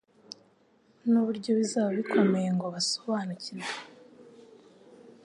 n'uburyo bizaba bikomeye ngo basobanukirwe